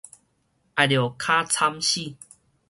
愛著較慘死